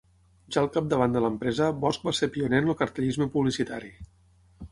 Ja al capdavant de l'empresa, Bosch va ser pioner en el cartellisme publicitari.